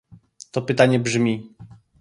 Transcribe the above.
To pytanie brzmi